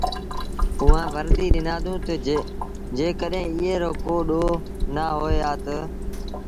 اُئآݩٚ ورنديٚ ڏنآندونٚ تا، ”جيڪڏهينٚ ايٚئي رو ڪو ڏوه نآ هوئي هآ تا